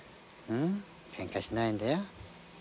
ケンカしないんだよ。